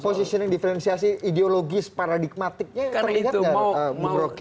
posisi yang difrensiasi ideologis paradigmatiknya terlihat gak bu rocky